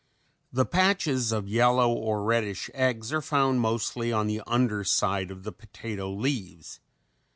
The patches of yellow or reddish eggs are found mostly on the under side of the potato leaves.